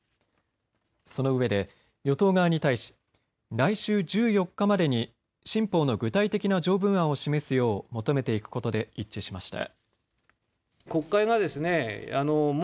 そのうえで与党側に対し来週１４日までに新法の具体的な条文案を示すよう求めていくことで一致しました。